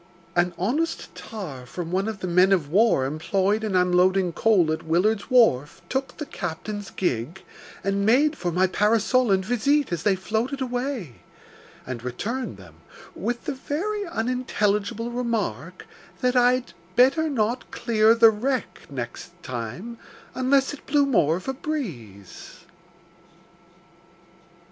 An honest tar from one of the men of war employed in unloading coal at Willard's Wharf took the captain's gig, and made for my parasol and visite as they floated away, and returned them with the very unintelligible remark, that I'd "better not clear the wreck next time unless it blew more of a breeze."